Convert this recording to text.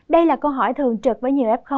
đây là câu hỏi thường trực với nhiều f